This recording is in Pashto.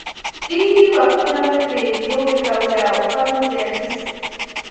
ډېری وختونه به مې پرې لوبې کولې او خوند مې ترې اخیست.